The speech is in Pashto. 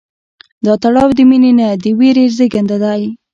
دا تړاو د مینې نه، د ویرې زېږنده دی.